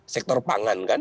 sektor pangan kan